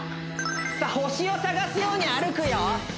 さあ星を探すように歩くよ